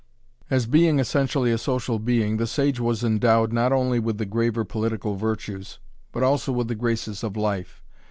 As being essentially a social being, the sage was endowed not only with the graver political virtues, but also with the graces of life.